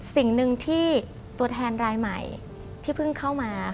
สิ่งหนึ่งที่ตัวแทนรายใหม่ที่เพิ่งเข้ามา